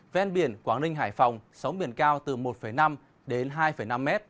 ven biển quảng ninh hải phòng sóng biển cao từ một năm đến hai năm m